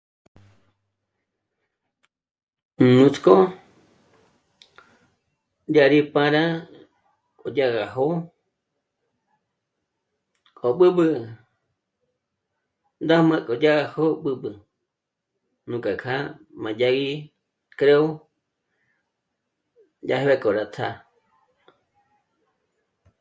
Nuts'k'ó dyá rí pára k'o dyá gá jó'o k'o b'ǚb'ü ndàma k'o dyâga jó'o b'ǚb'ü, nuk'á kjâ'a má dyagí creo dyà gá k'o rá tjá'a